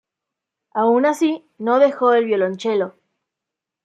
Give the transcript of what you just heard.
Aun así, no dejó el violonchelo.